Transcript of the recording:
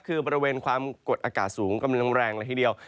คือบริเวณความกดอากาศสูงกำลังแรงละทีเดียว